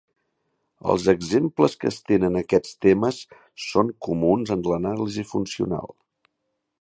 Els exemples que estenen aquests temes són comuns en l'anàlisi funcional.